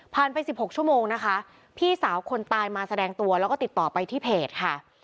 ไป๑๖ชั่วโมงนะคะพี่สาวคนตายมาแสดงตัวแล้วก็ติดต่อไปที่เพจค่ะ